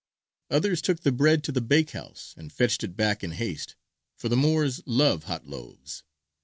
Others took the bread to the bake house and fetched it back in haste, for the Moors love hot loaves.